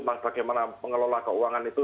bagaimana mengelola keuangan itu